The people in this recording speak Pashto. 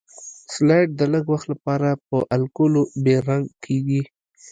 سلایډ د لږ وخت لپاره په الکولو بې رنګ کیږي.